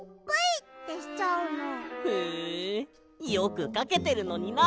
へえよくかけてるのにな